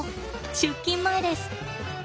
出勤前です。